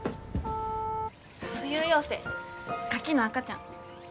浮遊幼生カキの赤ちゃん。